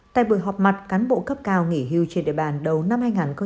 tại buổi họp mặt cán bộ cấp cao nghỉ hưu trên địa bàn đầu năm hai nghìn hai mươi